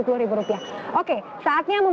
saatnya memilih jenis pembawa